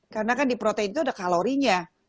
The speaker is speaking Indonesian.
karena kan di protein itu ada kalorinya